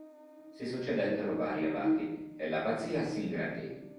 Si succedettero vari abati e l'abbazia s'ingrandì.